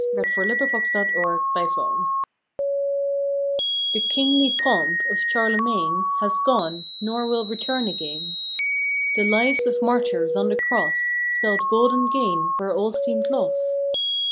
November Twenty first OUT OF THE DEPTHS PHE kingly pomp of Charlemagne Has gone, nor will return again. The lives of Martyrs on the Cross Spelled golden gain where all seemed loss.